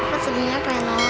dafa sebenarnya pengen nolongin